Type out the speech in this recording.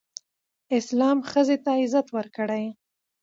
اسلام ښځې ته عزت ورکړی